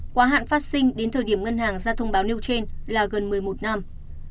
quá hạn phát sinh đến thời điểm ngân hàng ra thông báo nailchain là gần một mươi một năm